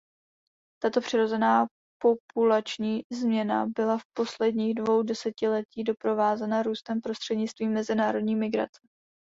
Tato přirozená populační změna byla v posledních dvou desetiletích doprovázena růstem prostřednictvím mezinárodní migrace.